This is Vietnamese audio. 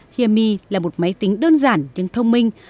hear me là một máy tính đơn giản nhưng thông minh